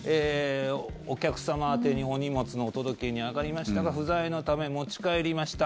お客様宛てにお荷物のお届けに上がりましたが不在のため持ち帰りました。